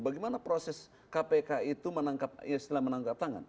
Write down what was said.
bagaimana proses kpk itu setelah menangkap tangan